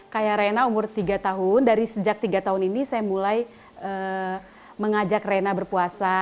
kayak reina umur tiga tahun dari sejak tiga tahun ini saya mulai mengajak rena berpuasa